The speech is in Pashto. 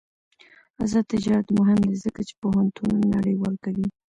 آزاد تجارت مهم دی ځکه چې پوهنتونونه نړیوال کوي.